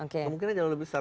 kemungkinan jauh lebih besar